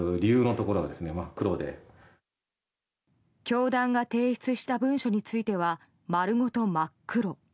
教団が提出した文書については丸ごと真っ黒。